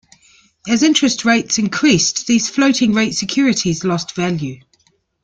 As interest rates increased, these floating rate securities lost value.